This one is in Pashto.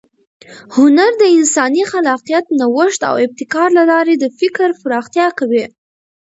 هنر د انساني خلاقیت، نوښت او ابتکار له لارې د فکر پراختیا کوي.